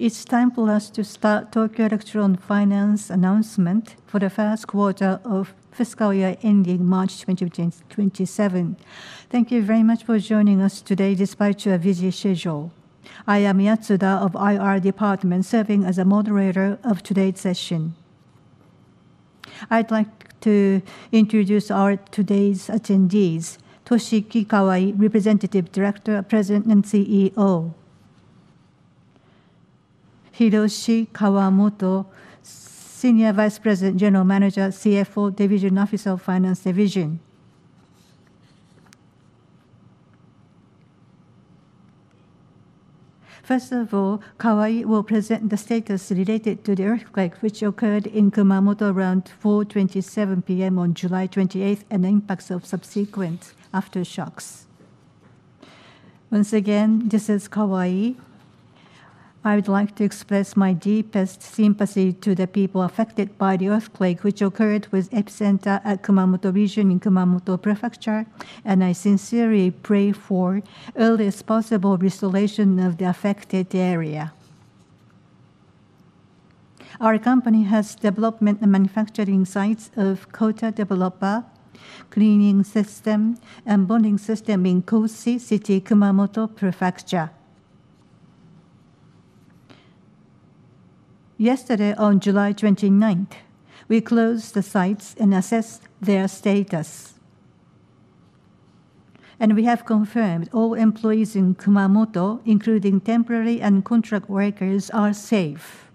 It is time for us to start Tokyo Electron finance announcement for the first quarter of fiscal year ending March 2027. Thank you very much for joining us today despite your busy schedule. I am Yatsuda of IR Department, serving as a moderator of today's session. I would like to introduce today's attendees. Toshiki Kawai, Representative Director, President, and CEO. Hiroshi Kawamoto, Senior Vice President, General Manager, CFO, Division Officer of Finance Division. First of all, Kawai will present the status related to the earthquake, which occurred in Kumamoto around 4:27 P.M. on July 28th, and impacts of subsequent aftershocks. Once again, this is Kawai. I would like to express my deepest sympathy to the people affected by the earthquake, which occurred with epicenter at Kumamoto region in Kumamoto Prefecture, and I sincerely pray for earliest possible restoration of the affected area. Our company has development and manufacturing sites of coater developer, cleaning system, and bonding system in Koshi City, Kumamoto Prefecture. Yesterday on July 29th, we closed the sites and assessed their status, and we have confirmed all employees in Kumamoto, including temporary and contract workers, are safe.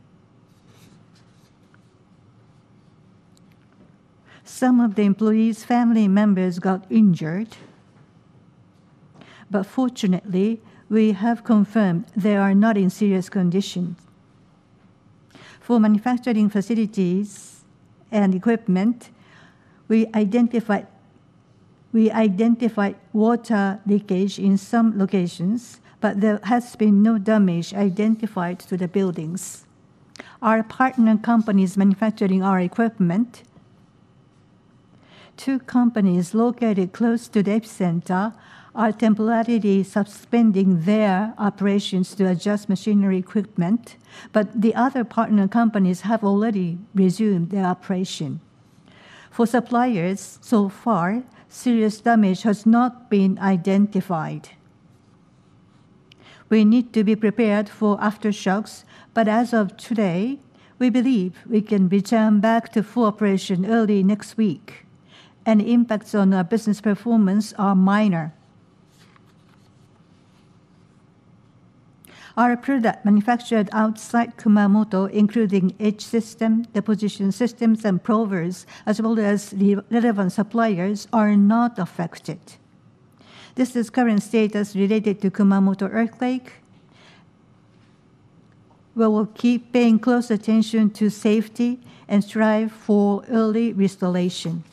Some of the employees' family members got injured, but fortunately, we have confirmed they are not in serious conditions. For manufacturing facilities and equipment, we identified water leakage in some locations, but there has been no damage identified to the buildings. Our partner companies manufacturing our equipment, two companies located close to the epicenter are temporarily suspending their operations to adjust machinery equipment, but the other partner companies have already resumed their operation. For suppliers, so far, serious damage has not been identified. We need to be prepared for aftershocks, but as of today, we believe we can return back to full operation early next week, and impacts on our business performance are minor. Our product manufactured outside Kumamoto, including etch system, deposition systems, and probers, as well as the relevant suppliers, are not affected. This is current status related to Kumamoto earthquake. We will keep paying close attention to safety and strive for early restoration.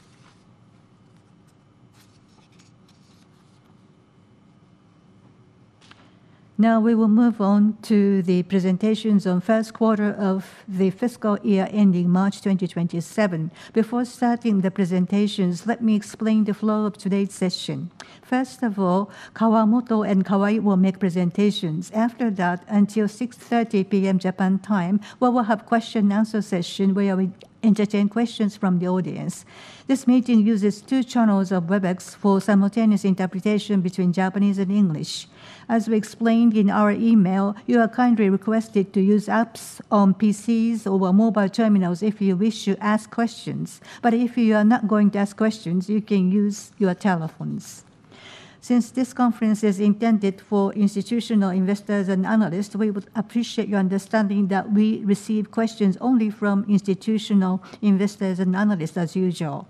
Now, we will move on to the presentations on first quarter of the fiscal year ending March 2027. Before starting the presentations, let me explain the flow of today's session. First of all, Kawamoto and Kawai will make presentations. After that, until 6:30 P.M. Japan time, we will have question and answer session where we entertain questions from the audience. This meeting uses two channels of WebEx for simultaneous interpretation between Japanese and English. As we explained in our email, you are kindly requested to use apps on PCs or mobile terminals if you wish to ask questions, but if you are not going to ask questions, you can use your telephones. Since this conference is intended for institutional investors and analysts, we would appreciate your understanding that we receive questions only from institutional investors and analysts as usual.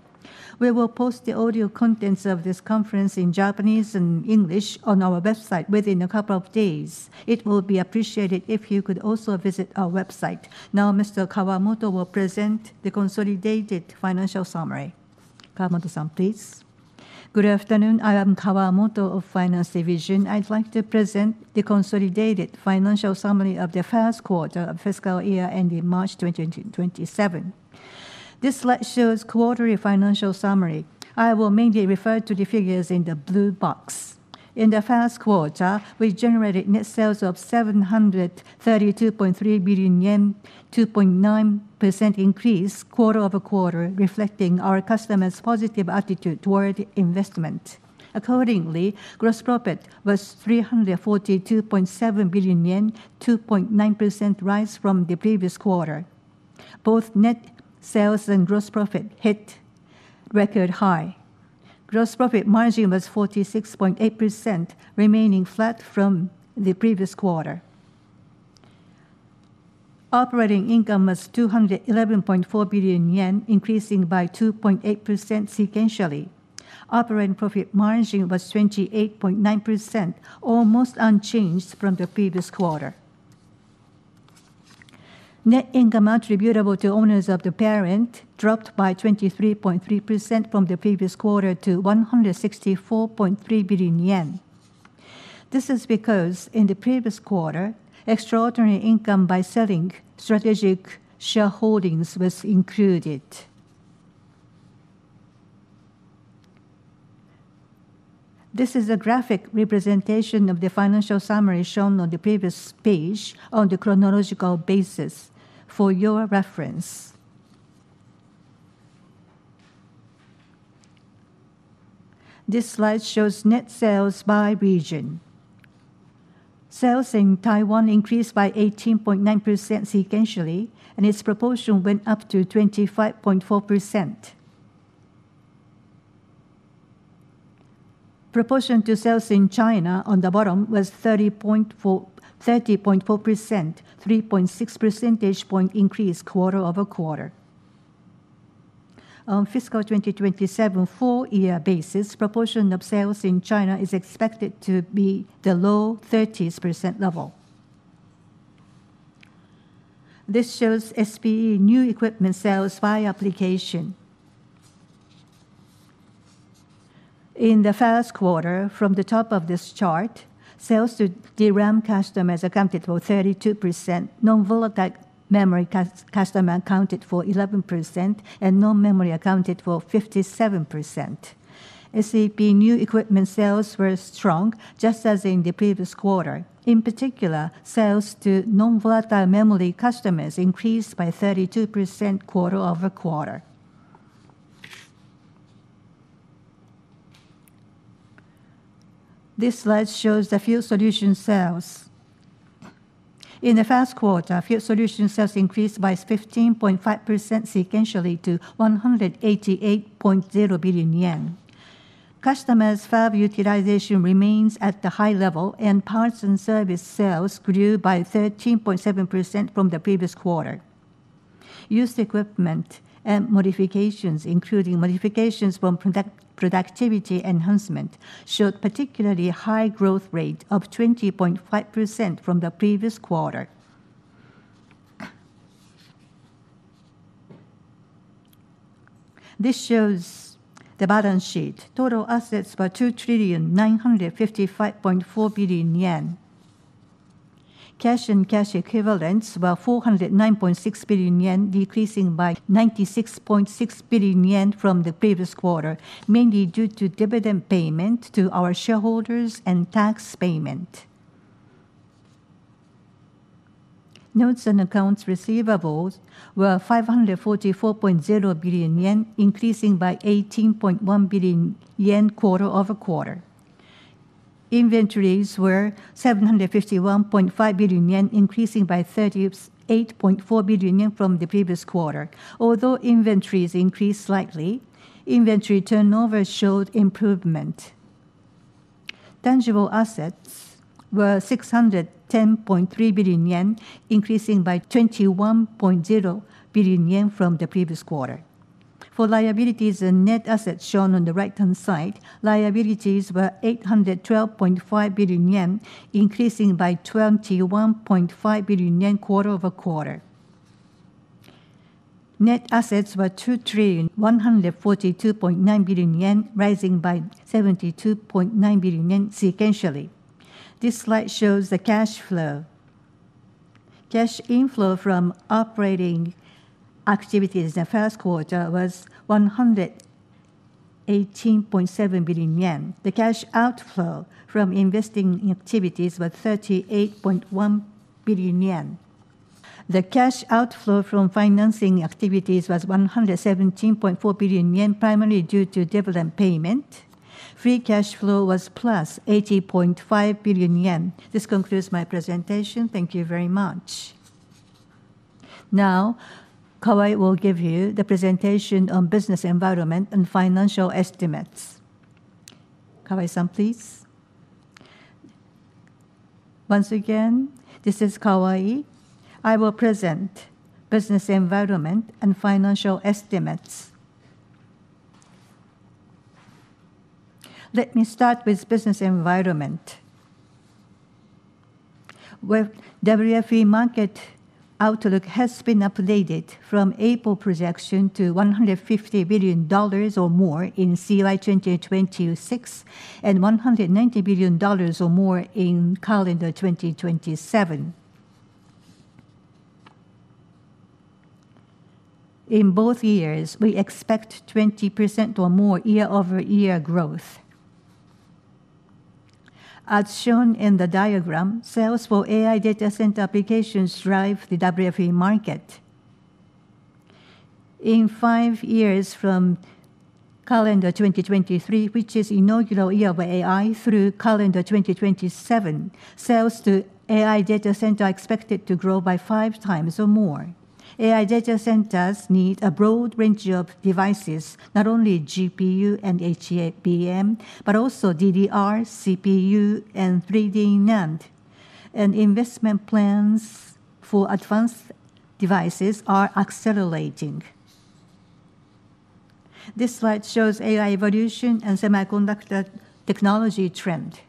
We will post the audio contents of this conference in Japanese and English on our website within a couple of days. It will be appreciated if you could also visit our website. Now, Mr. Kawamoto will present the consolidated financial summary. Kawamoto-san, please. Good afternoon. I am Kawamoto of Finance Division. I would like to present the consolidated financial summary of the first quarter of fiscal year ending March 2027. This slide shows quarterly financial summary. I will mainly refer to the figures in the blue box. In the first quarter, we generated net sales of 732.3 billion yen, 2.9% increase quarter-over-quarter, reflecting our customers' positive attitude toward investment. Accordingly, gross profit was 342.7 billion yen, 2.9% rise from the previous quarter. Both net sales and gross profit hit record high. Gross profit margin was 46.8%, remaining flat from the previous quarter. Operating income was 211.4 billion yen, increasing by 2.8% sequentially. Operating profit margin was 28.9%, almost unchanged from the previous quarter. Net income attributable to owners of the parent dropped by 23.3% from the previous quarter to 164.3 billion yen. This is because, in the previous quarter, extraordinary income by selling strategic shareholdings was included. This is a graphic representation of the financial summary shown on the previous page on the chronological basis for your reference. This slide shows net sales by region. Sales in Taiwan increased by 18.9% sequentially, and its proportion went up to 25.4%. Proportion to sales in China on the bottom was 30.4%, 3.6 percentage point increase quarter-over-quarter. On FY 2027 full year basis, proportion of sales in China is expected to be the low 30s% level. This shows SPE new equipment sales by application. In the first quarter, from the top of this chart, sales to DRAM customers accounted for 32%, non-volatile memory customer accounted for 11%, and non-memory accounted for 57%. SPE new equipment sales were strong, just as in the previous quarter. In particular, sales to non-volatile memory customers increased by 32% quarter-over-quarter. This slide shows the field solutions sales. In the first quarter, field solutions sales increased by 15.5% sequentially to 188.0 billion yen. Customers' fab utilization remains at the high level, and parts and service sales grew by 13.7% from the previous quarter. Used equipment and modifications, including modifications from productivity enhancement, showed particularly high growth rate of 20.5% from the previous quarter. This shows the balance sheet. Total assets were 2,955.4 billion yen. Cash and cash equivalents were 409.6 billion yen, decreasing by 96.6 billion yen from the previous quarter, mainly due to dividend payment to our shareholders and tax payment. Notes and accounts receivables were 544.0 billion yen, increasing by 18.1 billion yen quarter-over-quarter. Inventories were 751.5 billion yen, increasing by 38.4 billion yen from the previous quarter. Although inventories increased slightly, inventory turnover showed improvement. Tangible assets were 610.3 billion yen, increasing by 21.0 billion yen from the previous quarter. For liabilities and net assets shown on the right-hand side, liabilities were 812.5 billion yen, increasing by 21.5 billion yen quarter-over-quarter. Net assets were 2,142.9 billion yen, rising by 72.9 billion yen sequentially. This slide shows the cash flow. Cash inflow from operating activities in the first quarter was 118.7 billion yen. The cash outflow from investing activities was 38.1 billion yen. The cash outflow from financing activities was 117.4 billion yen, primarily due to dividend payment. Free cash flow was plus 80.5 billion yen. This concludes my presentation. Thank you very much. Now, Kawai will give you the presentation on business environment and financial estimates. Kawai-san, please. Once again, this is Kawai. I will present business environment and financial estimates. Let me start with business environment. Well, WFE market outlook has been updated from April projection to $150 billion or more in CY 2026 and $190 billion or more in CY 2027. In both years, we expect 20% or more year-over-year growth. As shown in the diagram, sales for AI data center applications drive the WFE market. In five years from calendar 2023, which is inaugural year of AI, through calendar 2027, sales to AI data center are expected to grow by five times or more. AI data centers need a broad range of devices, not only GPU and HBM, but also DDR, CPU, and 3D NAND. Investment plans for advanced devices are accelerating. This slide shows AI evolution and semiconductor technology trend.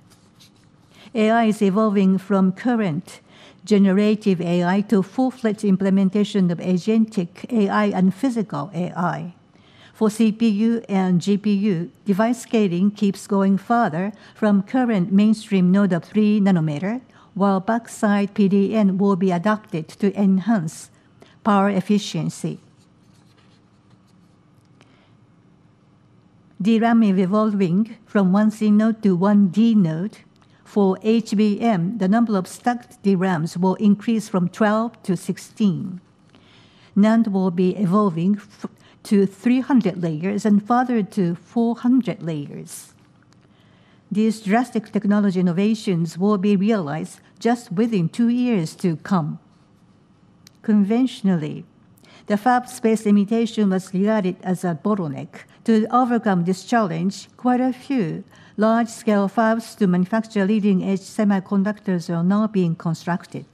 AI is evolving from current generative AI to full-fledged implementation of agentic AI and physical AI. For CPU and GPU, device scaling keeps going further from current mainstream node of three nanometer, while backside PDN will be adapted to enhance power efficiency. DRAM is evolving from 1Z node to 1D node. For HBM, the number of stacked DRAMs will increase from 12 to 16. NAND will be evolving to 300 layers, further to 400 layers. These drastic technology innovations will be realized just within two years to come. Conventionally, the fab space limitation was regarded as a bottleneck. To overcome this challenge, quite a few large-scale fabs to manufacture leading-edge semiconductors are now being constructed.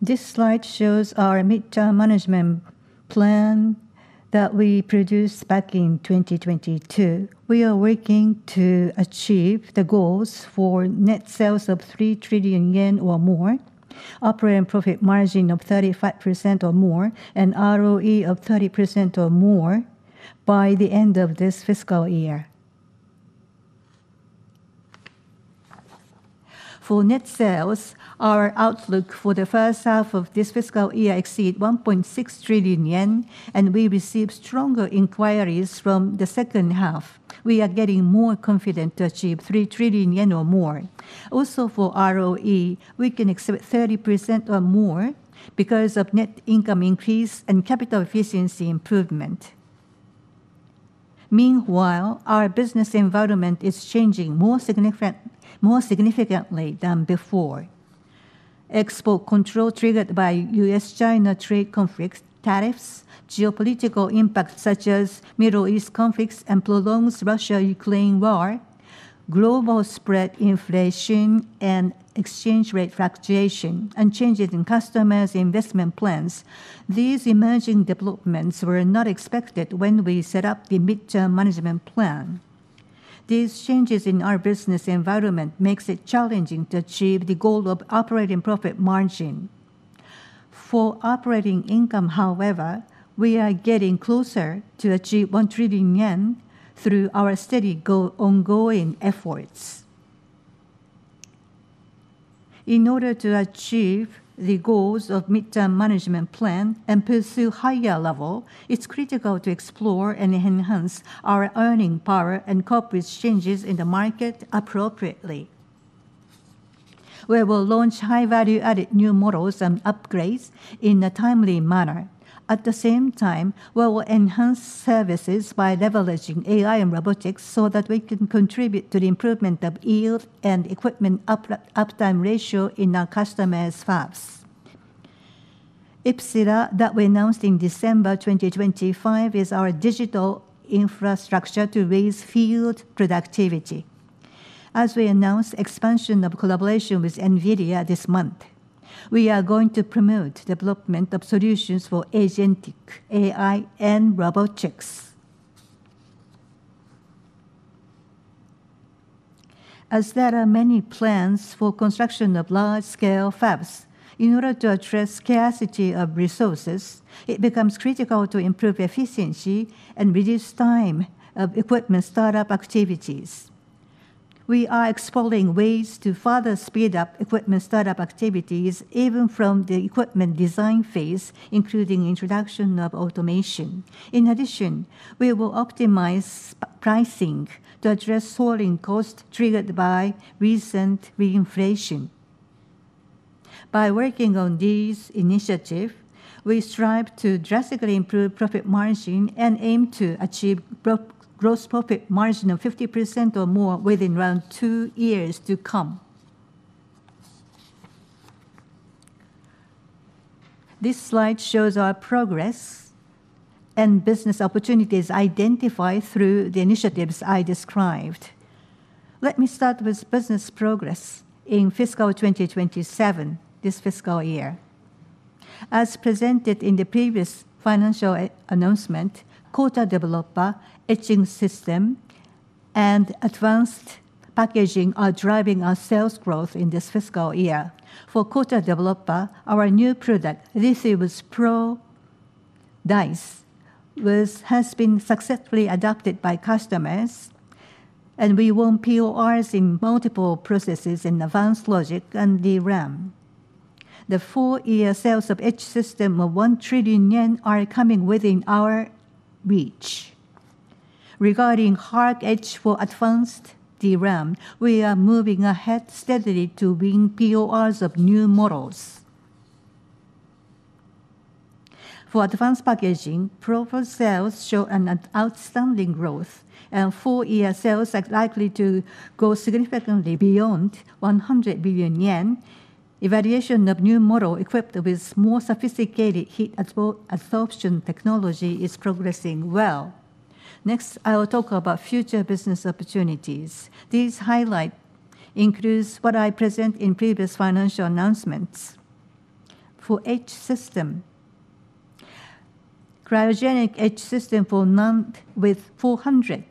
This slide shows our mid-term management plan that we produced back in 2022. We are working to achieve the goals for net sales of 3 trillion yen or more, operating profit margin of 35% or more, ROE of 30% or more by the end of this fiscal year. For net sales, our outlook for the first half of this fiscal year exceeds 1.6 trillion yen. We received stronger inquiries from the second half. We are getting more confident to achieve 3 trillion yen or more. For ROE, we can expect 30% or more because of net income increase and capital efficiency improvement. Meanwhile, our business environment is changing more significantly than before. Export control triggered by U.S.-China trade conflicts, tariffs, geopolitical impacts such as Middle East conflicts and prolonged Russia-Ukraine war, global spread inflation and exchange rate fluctuation, changes in customers' investment plans. These emerging developments were not expected when we set up the mid-term management plan. These changes in our business environment makes it challenging to achieve the goal of operating profit margin. For operating income, however, we are getting closer to achieve 1 trillion yen through our steady ongoing efforts. In order to achieve the goals of mid-term management plan and pursue higher level, it is critical to explore and enhance our earning power and cope with changes in the market appropriately. We will launch high value-added new models and upgrades in a timely manner. At the same time, we will enhance services by leveraging AI and robotics so that we can contribute to the improvement of yield and equipment uptime ratio in our customers' fabs. Epsira, that we announced in December 2025, is our digital infrastructure to raise field productivity. We announced expansion of collaboration with Nvidia this month. We are going to promote development of solutions for agentic AI and robotics. There are many plans for construction of large-scale fabs. In order to address scarcity of resources, it becomes critical to improve efficiency and reduce time of equipment startup activities. We are exploring ways to further speed up equipment startup activities, even from the equipment design phase, including introduction of automation. We will optimize pricing to address soaring cost triggered by recent reinflation. By working on these initiatives, we strive to drastically improve profit margin and aim to achieve gross profit margin of 50% or more within around two years to come. This slide shows our progress and business opportunities identified through the initiatives I described. Let me start with business progress in fiscal 2027, this fiscal year. As presented in the previous financial announcement, coater developer, etch system, and advanced packaging are driving our sales growth in this fiscal year. For coater developer, our new product, Resive Pro Dice, has been successfully adopted by customers, and we won PORs in multiple processes in advanced logic and DRAM. The full year sales of etch system of 1 trillion yen are coming within our reach. Regarding Hard Etch for advanced DRAM, we are moving ahead steadily to win PORs of new models. For advanced packaging, prober sales show an outstanding growth, and full year sales are likely to go significantly beyond 100 billion yen. Evaluation of new model equipped with more sophisticated heat absorption technology is progressing well. Next, I will talk about future business opportunities. These highlight includes what I present in previous financial announcements. For etch system, cryogenic etch system with 400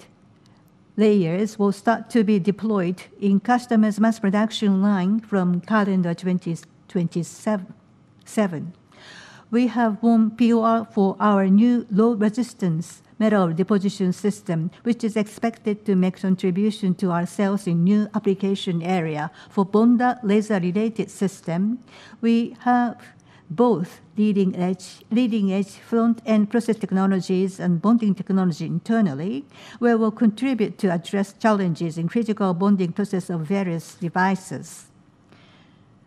layers will start to be deployed in customers' mass production line from calendar 2027. We have won POR for our new low resistance metal deposition system, which is expected to make contribution to our sales in new application area. For bonder laser related system, we have Both leading-edge front-end process technologies and bonding technology internally, where we'll contribute to address challenges in critical bonding process of various devices.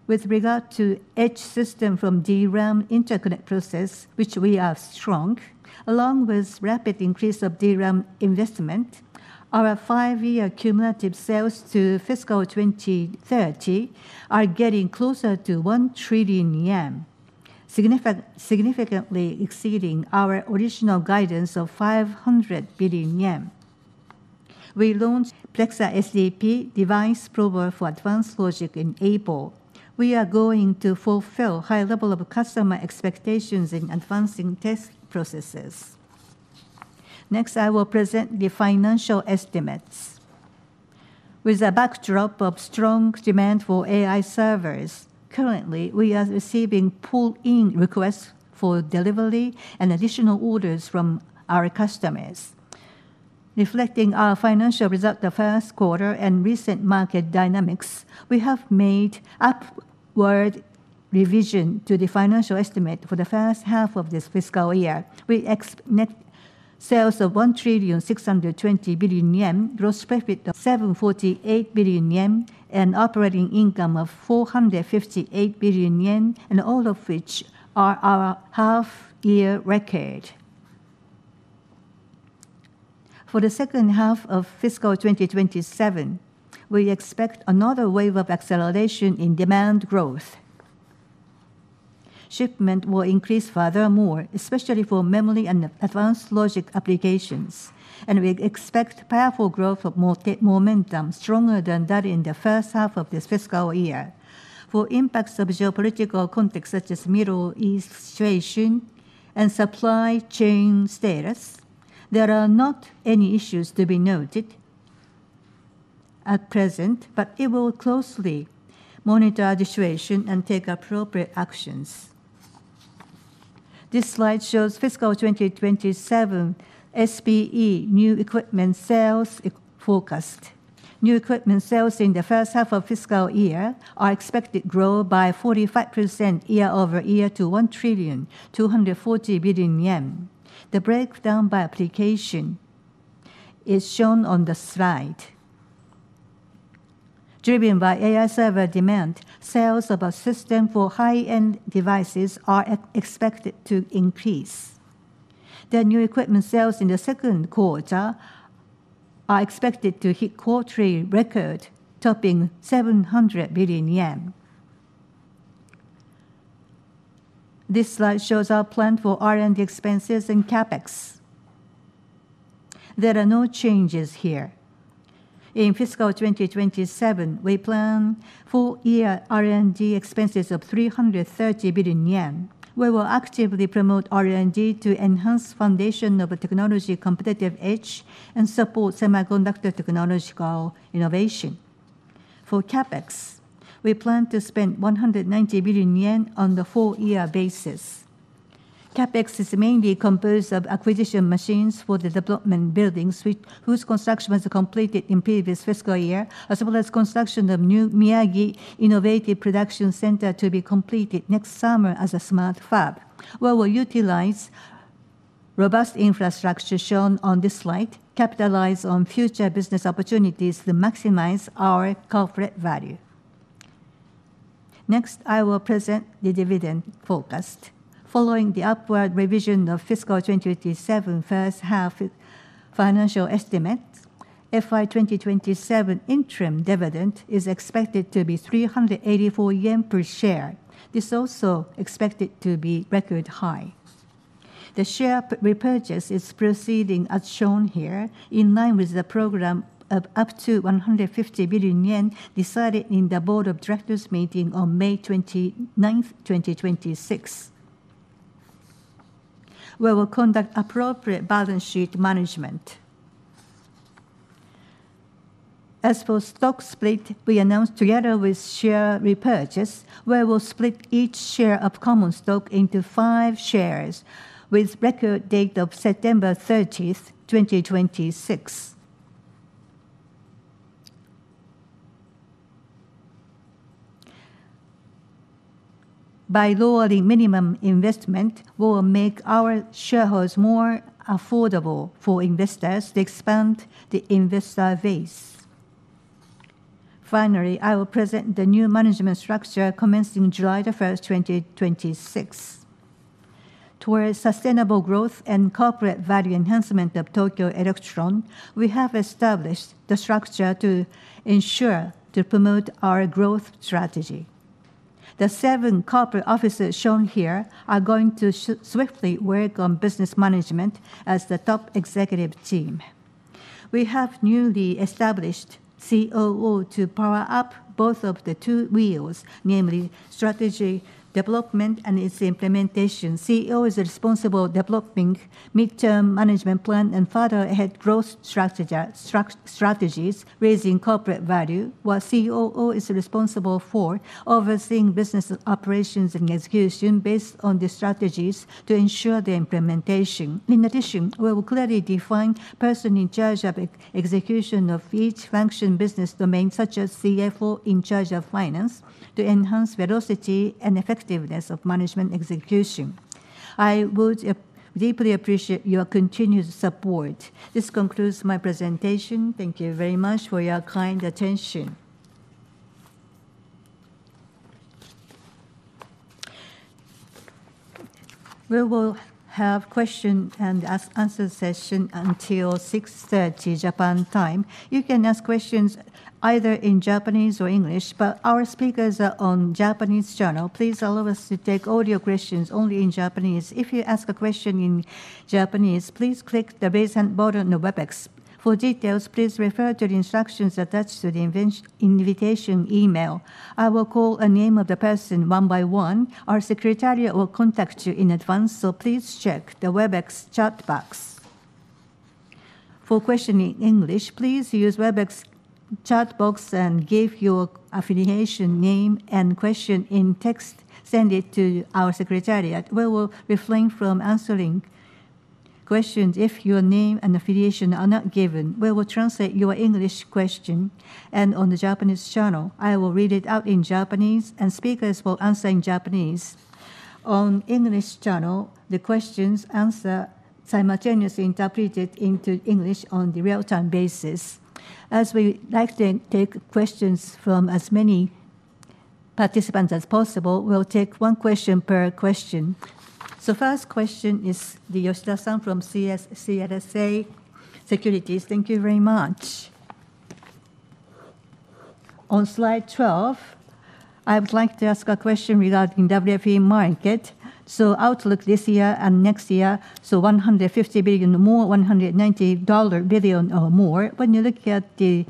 With regard to etch system from DRAM interconnect process, which we are strong, along with rapid increase of DRAM investment, our five-year cumulative sales to fiscal 2030 are getting closer to 1 trillion yen, significantly exceeding our original guidance of 500 billion yen. We launched Prexa SDP device prober for advanced logic in April. We are going to fulfill high level of customer expectations in advancing test processes. Next, I will present the financial estimates. With a backdrop of strong demand for AI servers, currently, we are receiving pull-in requests for delivery and additional orders from our customers. Reflecting our financial result the first quarter and recent market dynamics, we have made upward revision to the financial estimate for the first half of this fiscal year. We expect net sales of 1 trillion, 620 billion, gross profit of 748 billion yen, and operating income of 458 billion yen, and all of which are our half-year record. For the second half of fiscal 2027, we expect another wave of acceleration in demand growth. Shipment will increase furthermore, especially for memory and advanced logic applications, and we expect powerful growth of momentum stronger than that in the first half of this fiscal year. For impacts of geopolitical context such as Middle East situation and supply chain status, there are not any issues to be noted at present, but it will closely monitor the situation and take appropriate actions. This slide shows fiscal 2027 SPE new equipment sales forecast. New equipment sales in the first half of fiscal year are expected grow by 45% year-over-year to 1 trillion, 240 billion. The breakdown by application is shown on the slide. Driven by AI server demand, sales of a system for high-end devices are expected to increase. The new equipment sales in the second quarter are expected to hit quarterly record, topping JPY 700 billion. This slide shows our plan for R&D expenses and CapEx. There are no changes here. In fiscal 2027, we plan full-year R&D expenses of 330 billion yen, where we'll actively promote R&D to enhance foundation of technology competitive edge and support semiconductor technological innovation. For CapEx, we plan to spend 190 billion yen on the full-year basis. CapEx is mainly composed of acquisition machines for the development buildings whose construction was completed in previous fiscal year, as well as construction of new Miyagi innovative production center to be completed next summer as a smart fab, where we'll utilize robust infrastructure shown on this slide, capitalize on future business opportunities to maximize our corporate value. Next, I will present the dividend forecast. Following the upward revision of fiscal 2027 first half financial estimates, FY 2027 interim dividend is expected to be 384 yen per share. This is also expected to be record high. The share repurchase is proceeding as shown here, in line with the program of up to 150 billion yen decided in the Board of Directors meeting on May 29th, 2026. We will conduct appropriate balance sheet management. As for stock split we announced together with share repurchase, where we'll split each share of common stock into five shares with record date of September 30th, 2026. By lowering minimum investment, we will make our shares more affordable for investors to expand the investor base. Finally, I will present the new management structure commencing July the 1st, 2026. Towards sustainable growth and corporate value enhancement of Tokyo Electron, we have established the structure to ensure to promote our growth strategy. The seven corporate officers shown here are going to swiftly work on business management as the top executive team. We have newly established COO to power up both of the two wheels, namely strategy development and its implementation. CEO is responsible developing midterm management plan and further ahead growth strategies, raising corporate value, while COO is responsible for overseeing business operations and execution based on the strategies to ensure the implementation. In addition, we will clearly define person in charge of execution of each function business domain, such as CFO in charge of finance, to enhance velocity and effectiveness of management execution. I would deeply appreciate your continued support. This concludes my presentation. Thank you very much for your kind attention. We will have question and answer session until 6:30 Japan time. You can ask questions either in Japanese or English, but our speakers are on Japanese channel. Please allow us to take all your questions only in Japanese. If you ask a question in Japanese, please click the "Raise Hand" button on WebEx. For details, please refer to the instructions attached to the invitation email. I will call the name of the person one by one. Our secretariat will contact you in advance, so please check the WebEx chat box. For question in English, please use WebEx chat box and give your affiliation, name, and question in text. Send it to our secretariat. We will refrain from answering questions if your name and affiliation are not given. We will translate your English question and on the Japanese channel, I will read it out in Japanese and speakers will answer in Japanese. On English channel, the questions and answer simultaneously interpreted into English on the real-time basis. As we like to take questions from as many participants as possible, we will take one question per question. First question is Yoshida-san from CLSA Securities. Thank you very much. On slide 12, I would like to ask a question regarding WFE market. Outlook this year and next year, $150 billion or more, $190 billion or more. When you look at the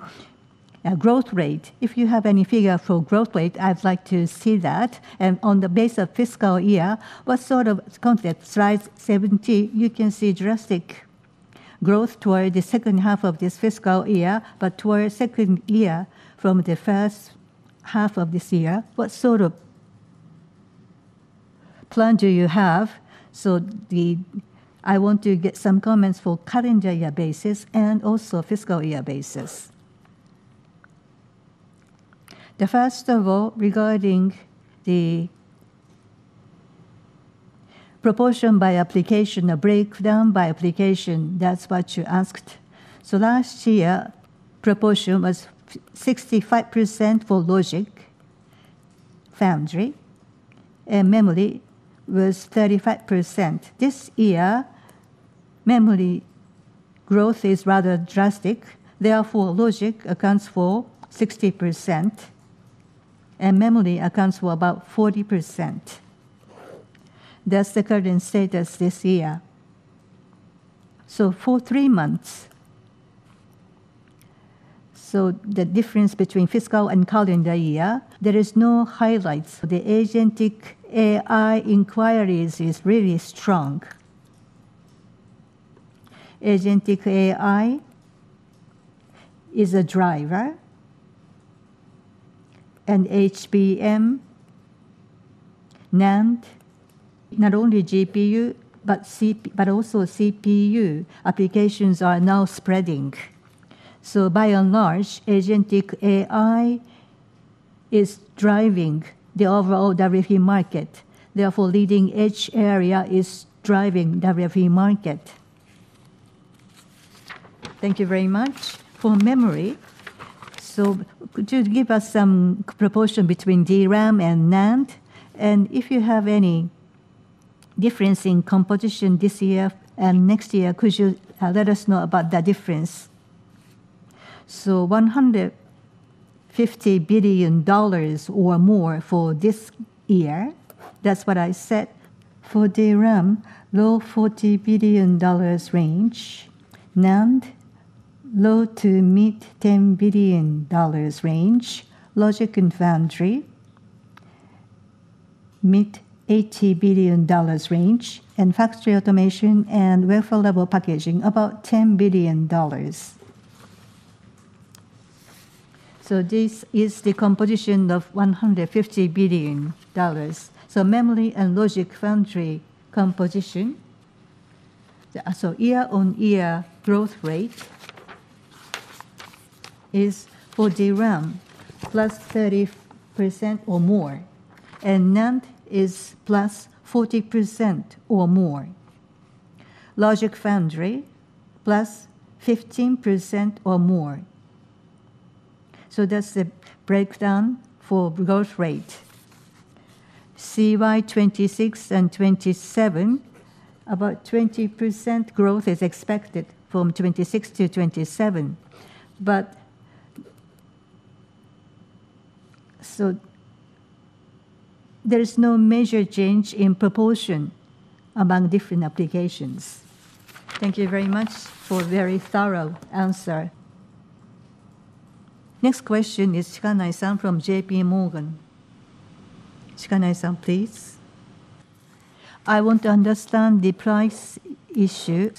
growth rate, if you have any figure for growth rate, I would like to see that. On the base of fiscal year, what sort of concept, slide 17, you can see drastic growth toward the second half of this fiscal year, but toward second year from the first half of this year, what sort of plan do you have? I want to get some comments for calendar year basis and also fiscal year basis. First of all, regarding the proportion by application, a breakdown by application, that is what you asked. Last year, proportion was 65% for logic foundry and memory was 35%. This year, memory growth is rather drastic. Therefore, logic accounts for 60% and memory accounts for about 40%. That is the current status this year. For three months, the difference between fiscal and calendar year, there is no highlights. The agentic AI inquiries is really strong. Agentic AI is a driver and HBM, NAND, not only GPU but also CPU applications are now spreading. By and large, agentic AI is driving the overall WFE market. Therefore, leading edge area is driving WFE market. Thank you very much. For memory, could you give us some proportion between DRAM and NAND? If you have any difference in competition this year and next year, could you let us know about that difference? $150 billion or more for this year. That is what I said. For DRAM, low $40 billion range. NAND, low to mid $10 billion range. Logic and foundry, mid $80 billion range. Factory automation and wafer-level packaging, about $10 billion. This is the composition of $150 billion. Memory and logic foundry composition. Year-over-year growth rate is for DRAM, +30% or more, and NAND is +40% or more. Logic foundry, +15% or more. That is the breakdown for growth rate. CY 2026 and 2027, about 20% growth is expected from 2026 to 2027. But there is no major change in proportion among different applications. Thank you very much for a very thorough answer. Next question is Shikanai-san from J.P. Morgan. Shikanai-san, please. I want to understand the price issue.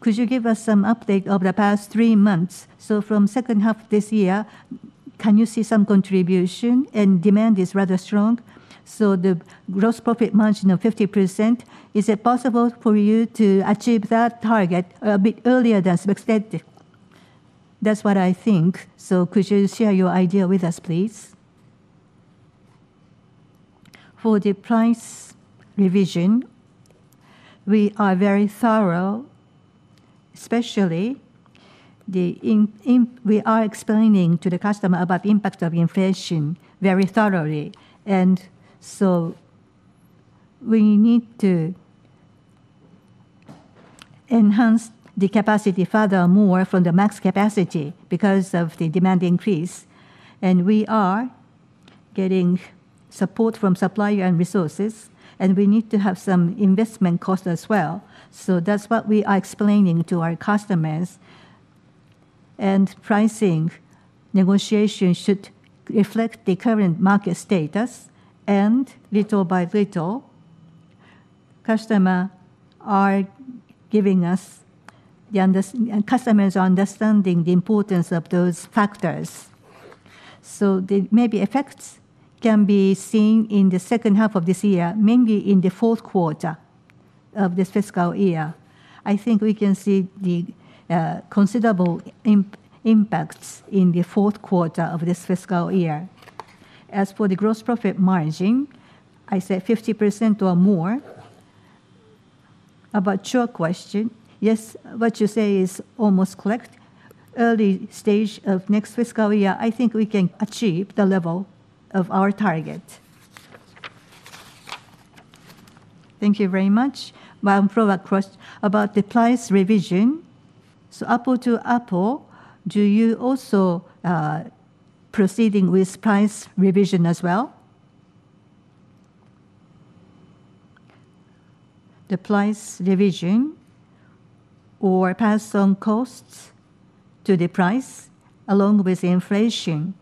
Could you give us some update over the past three months? From second half this year, can you see some contribution? Demand is rather strong, so the gross profit margin of 50%, is it possible for you to achieve that target a bit earlier than expected? That is what I think. Could you share your idea with us, please? For the price revision, we are very thorough, especially we are explaining to the customer about the impact of inflation very thoroughly. We need to enhance the capacity furthermore from the max capacity because of the demand increase. We are getting support from supplier and resources. We need to have some investment cost as well. That's what we are explaining to our customers. Pricing negotiations should reflect the current market status. Little by little, customers are understanding the importance of those factors. Maybe effects can be seen in the second half of this year, mainly in the fourth quarter of this fiscal year. I think we can see the considerable impacts in the fourth quarter of this fiscal year. As for the gross profit margin, I say 50% or more. About your question, what you say is almost correct. Early stage of next fiscal year, I think we can achieve the level of our target. Thank you very much. One follow-up question about the price revision. Apple-to-apple, do you also proceeding with price revision as well? The price revision or pass on costs to the price along with inflation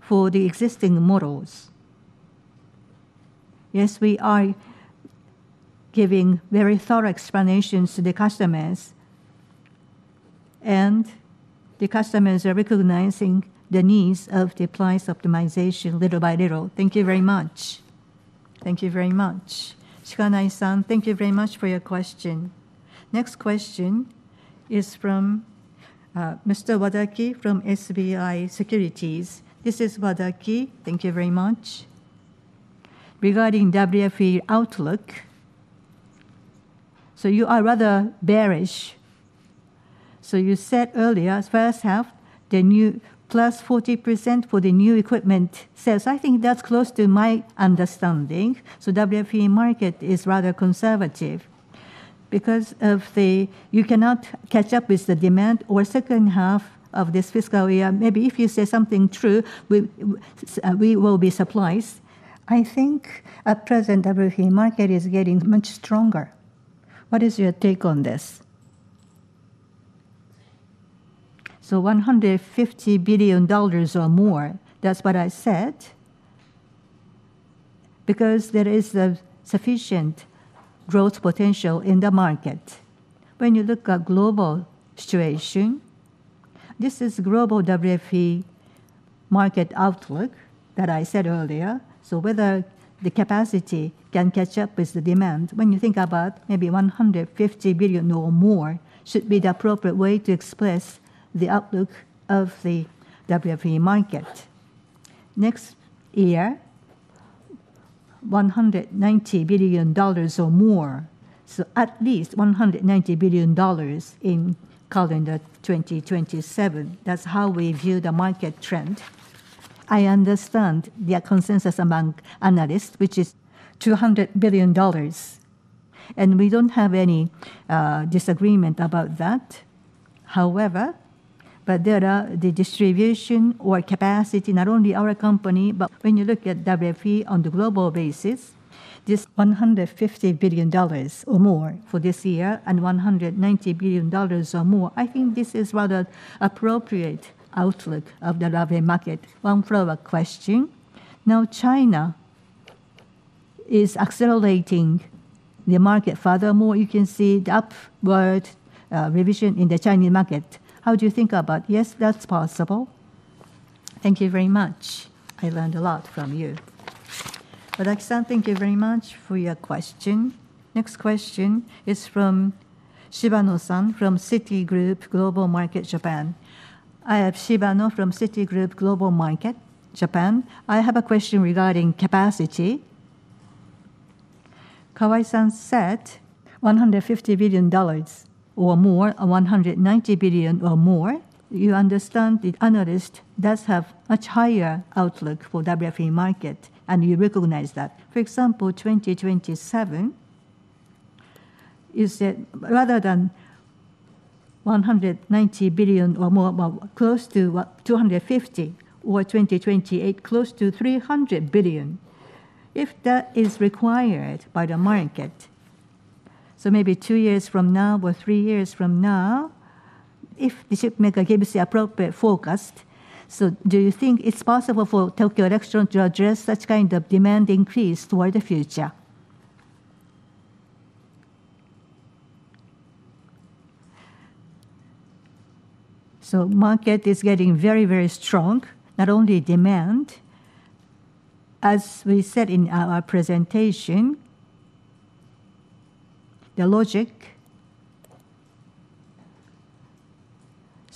for the existing models. We are giving very thorough explanations to the customers. The customers are recognizing the needs of the price optimization little by little. Thank you very much. Thank you very much. Miya-san, thank you very much for your question. Next question is from Mr. Tetsuya Wadaki from SBI Securities. This is Tetsuya Wadaki. Thank you very much. Regarding WFE outlook, you are rather bearish. You said earlier, first half, the new +40% for the new equipment sales. I think that's close to my understanding. WFE market is rather conservative because you cannot catch up with the demand or second half of this fiscal year. Maybe if you say something true, we will be surprised. I think at present, WFE market is getting much stronger. What is your take on this? $150 billion or more. That's what I said. Because there is a sufficient growth potential in the market. When you look at global situation, this is global WFE market outlook that I said earlier. Whether the capacity can catch up with the demand, when you think about maybe $150 billion or more should be the appropriate way to express the outlook of the WFE market. Next year, $190 billion or more. At least $190 billion in calendar 2027. That's how we view the market trend. I understand the consensus among analysts, which is $200 billion. We don't have any disagreement about that. There are the distribution or capacity, not only our company, but when you look at WFE on the global basis, this $150 billion or more for this year and $190 billion or more, I think this is rather appropriate outlook of the WFE market. One follow-up question. China is accelerating the market furthermore. You can see the upward revision in the Chinese market. How do you think about? That's possible. Thank you very much. I learned a lot from you. Tetsuya Wadaki-san, thank you very much for your question. Next question is from Masahiro-san from Citigroup Global Markets Japan. I am Masahiro from Citigroup Global Markets Japan. I have a question regarding capacity. Kawai-san said $150 billion or more, or $190 billion or more. You understand the analyst does have much higher outlook for WFE market, and you recognize that. For example, 2027, you said rather than $190 billion or more, close to what? $250 billion. 2028, close to $300 billion, if that is required by the market. Maybe 2 years from now or 3 years from now, if the chipmaker gives the appropriate forecast. Do you think it's possible for Tokyo Electron to address that kind of demand increase toward the future? Market is getting very, very strong, not only demand. As we said in our presentation, the logic.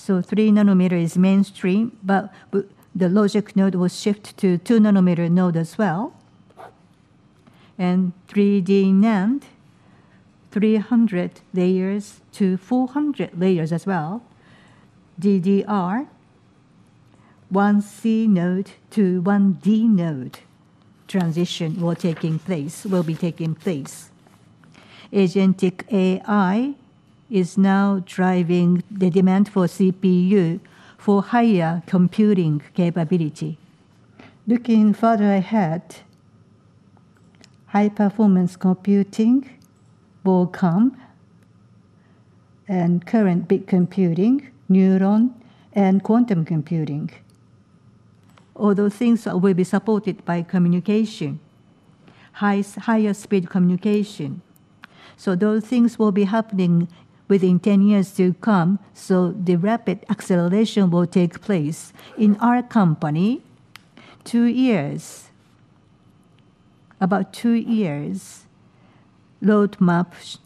3 nanometer is mainstream, but the logic node will shift to 2 nanometer node as well. 3D NAND, 300 layers to 400 layers as well. DDR, 1C node to 1D node transition will be taking place. Agentic AI is now driving the demand for CPU for higher computing capability. Looking further ahead, high-performance computing will come, qubit computing, neuromorphic, and quantum computing. All those things will be supported by communication, higher speed communication. Those things will be happening within 10 years to come. The rapid acceleration will take place. In our company, about 2 years roadmaps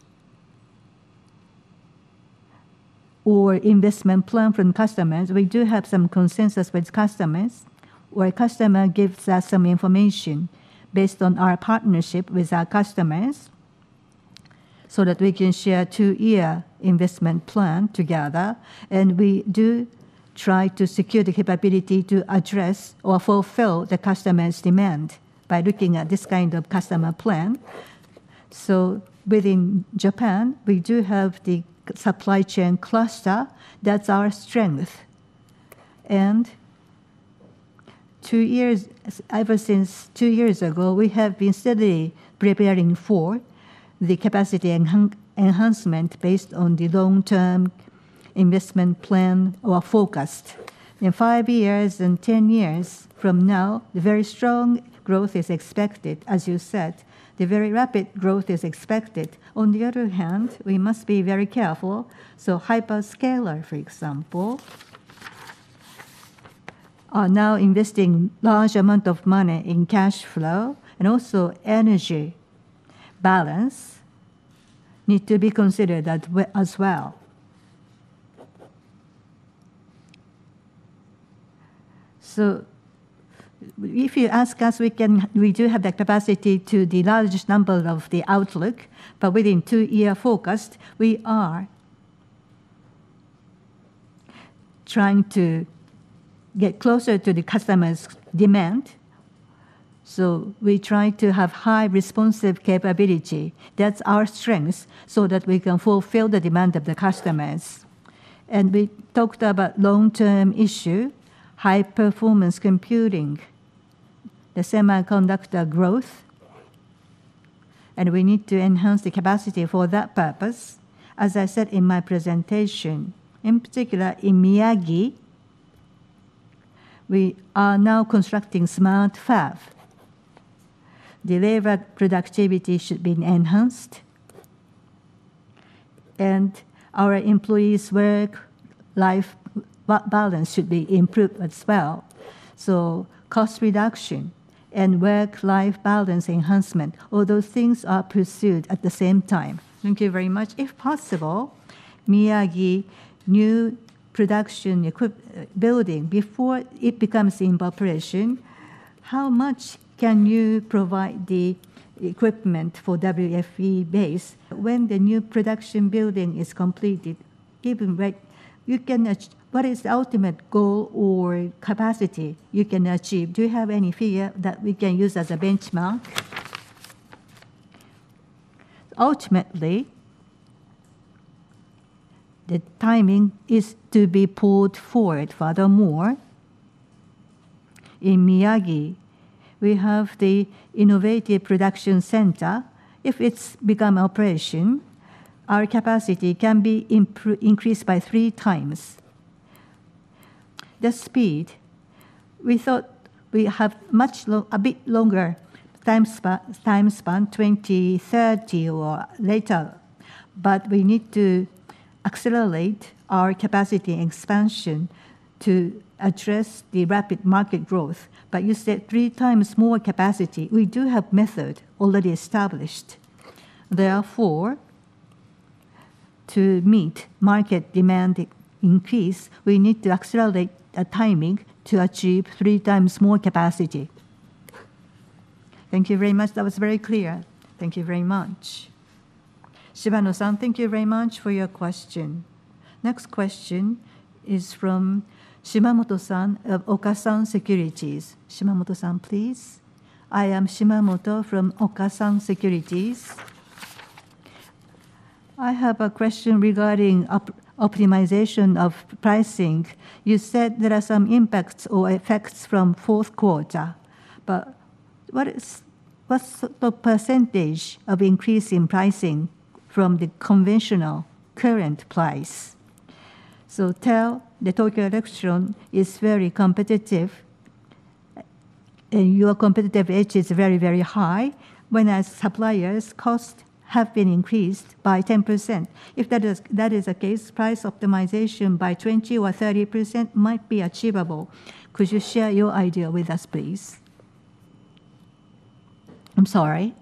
or investment plan from customers. We do have some consensus with customers, where customer gives us some information based on our partnership with our customers, so that we can share 2-year investment plan together. We do try to secure the capability to address or fulfill the customer's demand by looking at this kind of customer plan. Within Japan, we do have the supply chain cluster. That's our strength. Ever since 2 years ago, we have been steadily preparing for the capacity enhancement based on the long-term investment plan or forecast. In 10 years from now, very strong growth is expected. As you said, the very rapid growth is expected. On the other hand, we must be very careful. Hyperscaler, for example, are now investing large amount of money in cash flow, and also energy balance need to be considered as well. If you ask us, we do have the capacity to the large number of the outlook, but within 2-year forecast, we are trying to get closer to the customer's demand. We try to have high responsive capability, that's our strength, so that we can fulfill the demand of the customers. We talked about long-term issue, high-performance computing, the semiconductor growth, and we need to enhance the capacity for that purpose. As I said in my presentation, in particular in Miyagi, we are now constructing smart fab. Delivered productivity should be enhanced, and our employees' work-life balance should be improved as well. Cost reduction and work-life balance enhancement, all those things are pursued at the same time. Thank you very much. If possible, Miyagi new production building, before it becomes in operation, how much can you provide the equipment for WFE base when the new production building is completed? What is the ultimate goal or capacity you can achieve? Do you have any figure that we can use as a benchmark? Ultimately, the timing is to be pulled forward. Furthermore, in Miyagi, we have the innovative production center. If it's become operation, our capacity can be increased by 3 times. The speed, we thought we have a bit longer time span, 2030 or later, but we need to accelerate our capacity expansion to address the rapid market growth. You said 3 times more capacity. We do have method already established. Therefore, to meet market demand increase, we need to accelerate the timing to achieve three times more capacity. Thank you very much. That was very clear. Thank you very much. Shibano-san, thank you very much for your question. Next question is from Shimamoto-san of Okasan Securities. Shimamoto-san, please. I am Shimamoto from Okasan Securities. I have a question regarding optimization of pricing. You said there are some impacts or effects from fourth quarter, but what's the percentage of increase in pricing from the conventional current price? Tell that Tokyo Electron is very competitive, and your competitive edge is very, very high. Whereas suppliers' costs have been increased by 10%. If that is the case, price optimization by 20% or 30% might be achievable. Could you share your idea with us, please? I'm sorry.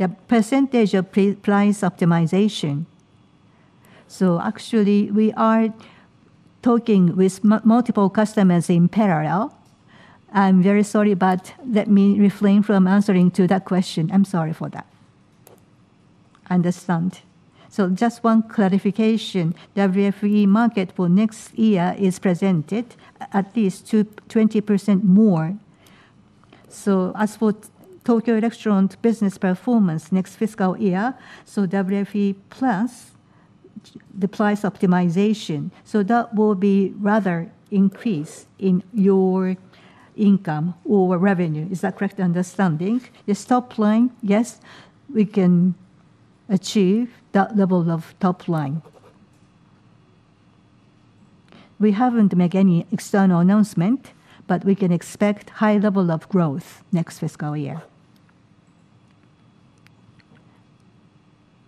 The percentage of price optimization. Actually, we are talking with multiple customers in parallel. I'm very sorry, but let me refrain from answering to that question. I'm sorry for that. Understand. Just one clarification, WFE market for next year is presented at least 20% more. As for Tokyo Electron business performance next fiscal year, WFE plus the price optimization. That will be rather increase in your income or revenue. Is that correct understanding? Yes, top line. Yes, we can achieve that level of top line. We haven't make any external announcement, but we can expect high level of growth next fiscal year.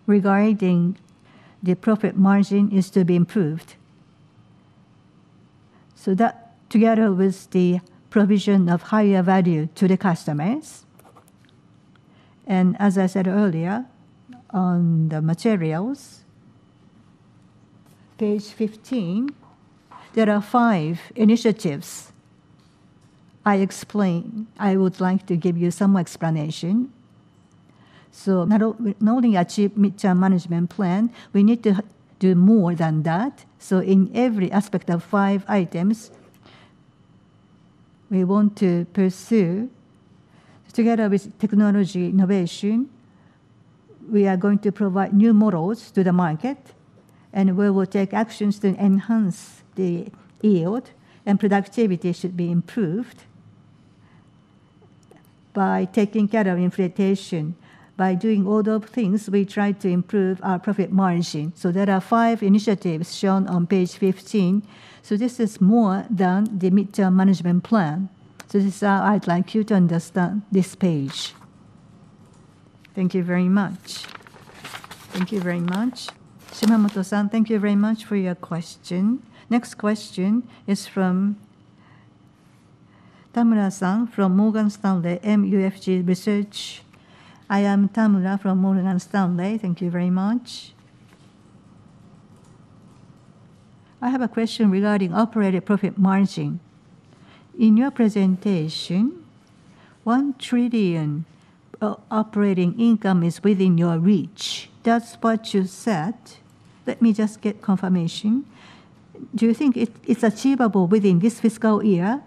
Regarding the profit margin is to be improved. That together with the provision of higher value to the customers, and as I said earlier on the materials, page 15, there are five initiatives I explain. I would like to give you some explanation. Not only achieve mid-term management plan, we need to do more than that. In every aspect of five items, we want to pursue together with technology innovation, we are going to provide new models to the market, and we will take actions to enhance the yield, productivity should be improved by taking care of inflation. By doing all those things, we try to improve our profit margin. There are five initiatives shown on page 15. This is more than the mid-term management plan. This is how I'd like you to understand this page. Thank you very much. Thank you very much. Tamura-san, thank you very much for your question. Next question is from Tamura-san from Morgan Stanley MUFG Research. I am Tamura from Morgan Stanley. Thank you very much. I have a question regarding operating profit margin. In your presentation, 1 trillion operating income is within your reach. That's what you said. Let me just get confirmation. Do you think it's achievable within this fiscal year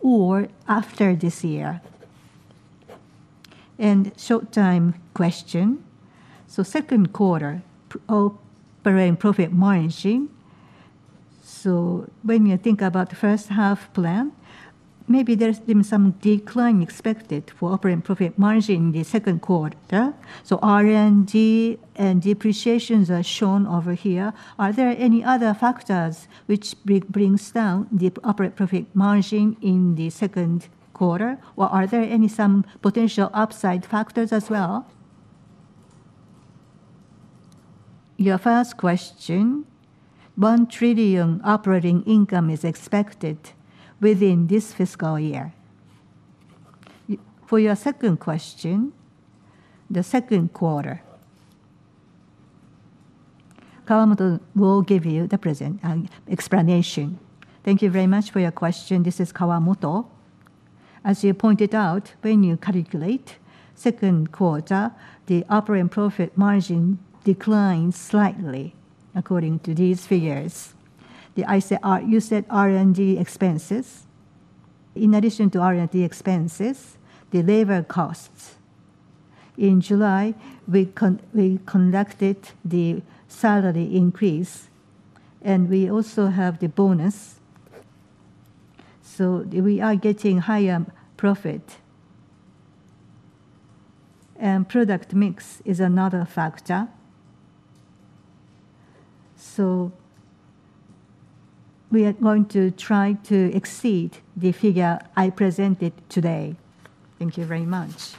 or after this year? Short time question. Second quarter operating profit margin. When you think about the first half plan, maybe there's been some decline expected for operating profit margin in the second quarter. R&D and depreciations are shown over here. Are there any other factors which brings down the operating profit margin in the second quarter, or are there any some potential upside factors as well? Your first question, 1 trillion operating income is expected within this fiscal year. For your second question, the second quarter. Kawamoto will give you the present explanation. Thank you very much for your question. This is Kawamoto. As you pointed out, when you calculate second quarter, the operating profit margin declines slightly according to these figures. You said R&D expenses. In addition to R&D expenses, the labor costs. In July, we conducted the salary increase, and we also have the bonus, so we are getting higher profit. Product mix is another factor. We are going to try to exceed the figure I presented today. Thank you very much.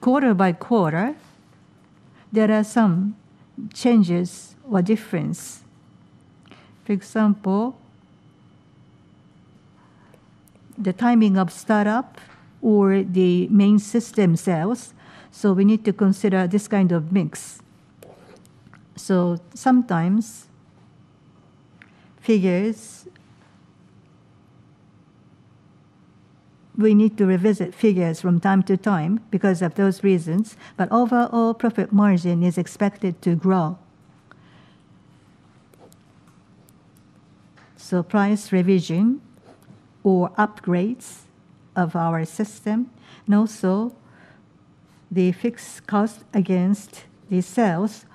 Quarter by quarter, there are some changes or difference. For example, the timing of start-up or the main system sales, so we need to consider this kind of mix. Sometimes, figures, we need to revisit figures from time to time because of those reasons, but overall profit margin is expected to grow. Price revision or upgrades of our system, and also the fixed cost against the sales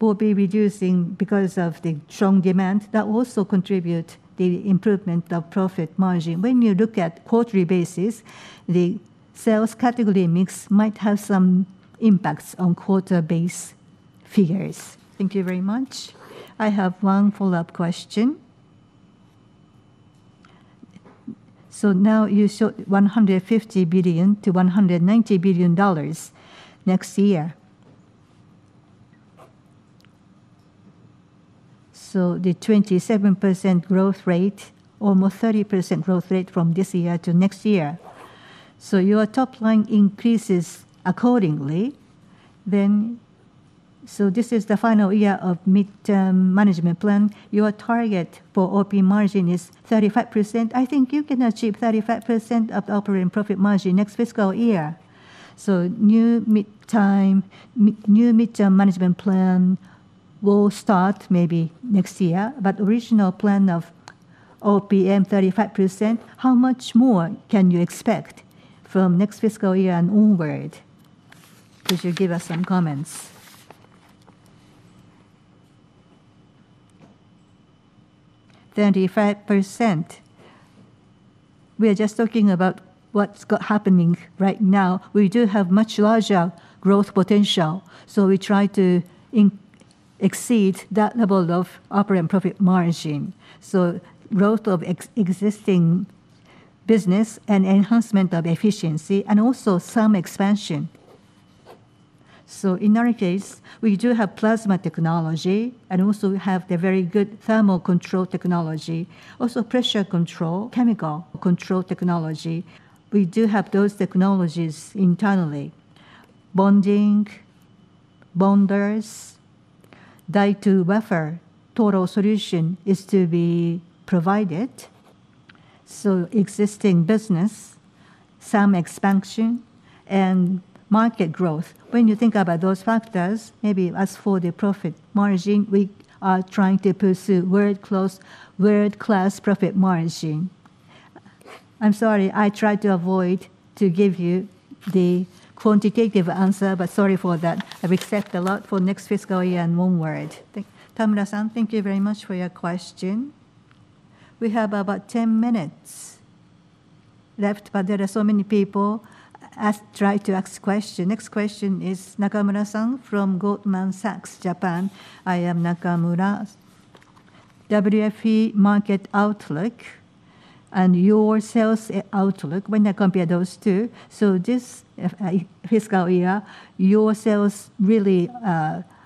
will be reducing because of the strong demand. That also contribute the improvement of profit margin. When you look at quarterly basis, the sales category mix might have some impacts on quarter base figures. Thank you very much. I have one follow-up question. Now you show $150 billion-$190 billion next year. The 27% growth rate, almost 30% growth rate from this year to next year. Your top line increases accordingly then. This is the final year of mid-term management plan. Your target for OP margin is 35%. I think you can achieve 35% of the operating profit margin next fiscal year. New mid-term management plan will start maybe next year. Original plan of OPM 35%, how much more can you expect from next fiscal year and onward? Could you give us some comments? 35%. We are just talking about what's happening right now. We do have much larger growth potential, so we try to exceed that level of operating profit margin. Growth of existing business and enhancement of efficiency, and also some expansion. In our case, we do have plasma technology, and also have the very good thermal control technology, also pressure control, chemical control technology. We do have those technologies internally. Bonding, bonders, die to wafer, total solution is to be provided. Existing business, some expansion, and market growth. When you think about those factors, maybe as for the profit margin, we are trying to pursue world-class profit margin. I'm sorry, I tried to avoid to give you the quantitative answer, but sorry for that. I will set a lot for next fiscal year and onward. Thank you. Tamura-san, thank you very much for your question. We have about 10 minutes left, but there are so many people trying to ask questions. Next question is Nakamura-san from Goldman Sachs Japan. I am Nakamura. WFE market outlook and your sales outlook, when I compare those two. This fiscal year, your sales really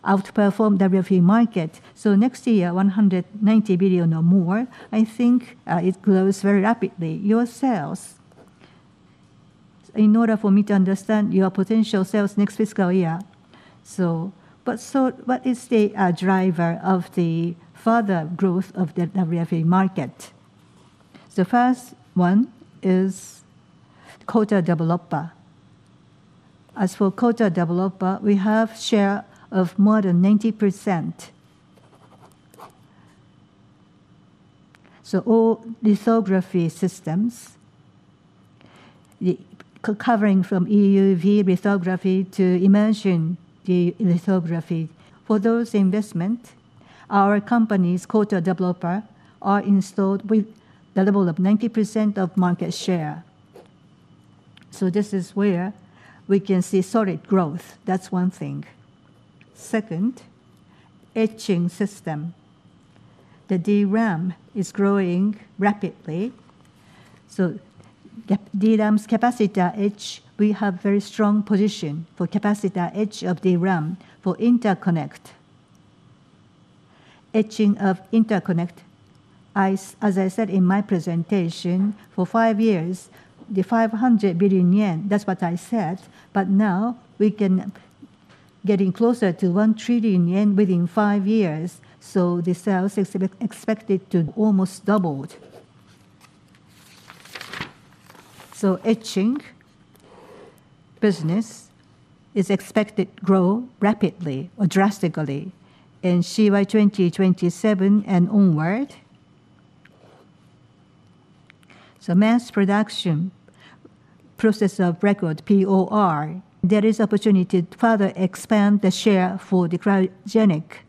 outperformed WFE market. Next year, 190 billion or more, I think it grows very rapidly. Your sales, in order for me to understand your potential sales next fiscal year. What is the driver of the further growth of the WFE market? The first one is coater developer. As for coater developer, we have share of more than 90%. All lithography systems, covering from EUV lithography to immersion lithography. For those investment, our company's coater developer are installed with the level of 90% of market share. This is where we can see solid growth. That's one thing. Second, etching system. The DRAM is growing rapidly, DRAM's capacitor etch, we have very strong position for capacitor etch of DRAM for interconnect. Etching of interconnect, as I said in my presentation, for five years, the 500 billion yen, that's what I said, but now we can getting closer to 1 trillion yen within five years. The sales is expected to almost doubled. Etching business is expected to grow rapidly or drastically in CY 2027 and onward. Mass production, process of record, POR, there is opportunity to further expand the share for the cryogenic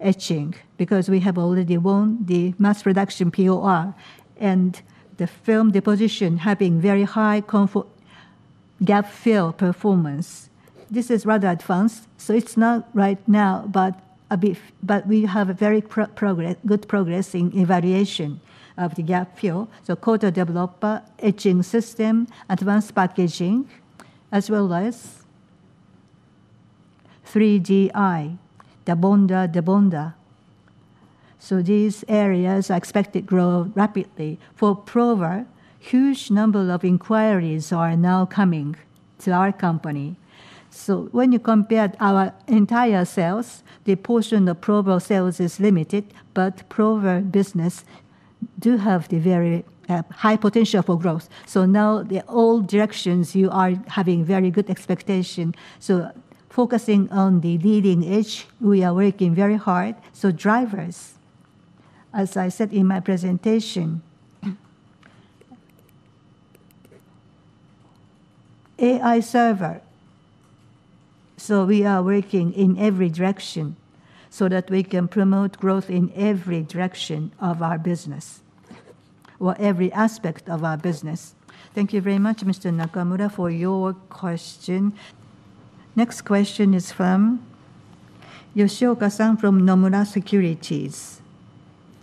etching, because we have already won the mass production POR, and the film deposition having very high gap fill performance. This is rather advanced, so it's not right now, but we have a very good progress in evaluation of the gap fill. Coater developer, etching system, advanced packaging, as well as 3D-IC, the bonder, debonder. These areas are expected to grow rapidly. For prober, huge number of inquiries are now coming to our company. When you compare our entire sales, the portion of prober sales is limited, but prober business do have the very high potential for growth. Now the all directions, you are having very good expectation. Focusing on the leading edge, we are working very hard. Drivers, as I said in my presentation, AI server. We are working in every direction so that we can promote growth in every direction of our business, or every aspect of our business. Thank you very much, Mr. Nakamura, for your question. Next question is from Yoshioka-san from Nomura Securities.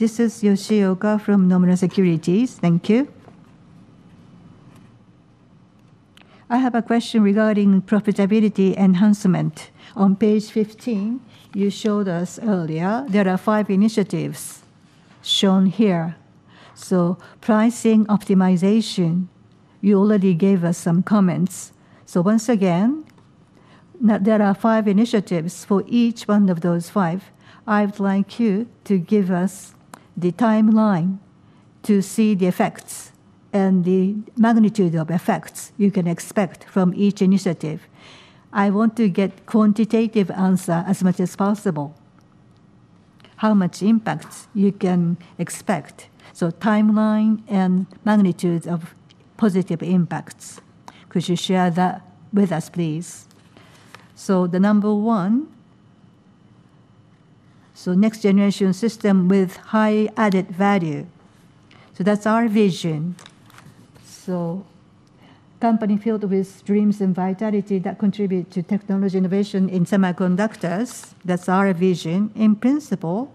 This is Yoshioka from Nomura Securities. Thank you. I have a question regarding profitability enhancement. On page 15, you showed us earlier there are five initiatives shown here. Pricing optimization, you already gave us some comments. Once again, there are five initiatives. For each one of those five, I would like you to give us the timeline to see the effects and the magnitude of effects you can expect from each initiative. I want to get quantitative answer as much as possible. How much impacts you can expect. Timeline and magnitude of positive impacts. Could you share that with us, please? The number 1, next generation system with high added value. That's our vision. Company filled with dreams and vitality that contribute to technology innovation in semiconductors. That's our vision in principle.